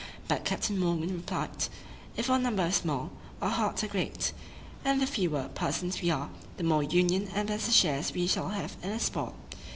But Captain Morgan replied, "If our number is small, our hearts are great; and the fewer persons we are, the more union and better shares we shall have in the spoil."